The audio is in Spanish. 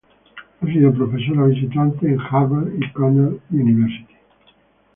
Ha sido profesora visitante en Harvard y Cornell University.